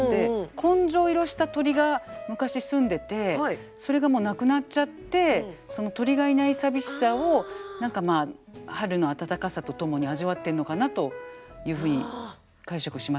紺青色した鳥が昔住んでてそれがもう亡くなっちゃってその鳥がいない寂しさを何かまあ春の暖かさとともに味わってんのかなといふうに解釈しましたが。